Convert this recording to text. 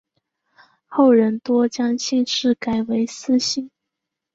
后人多将姓氏改为司姓。